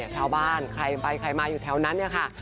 ชาวบ้านใครไปใครมาแถวนั้นค่ะ